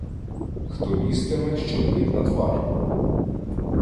Хто лізтиме, щоб лить на твар.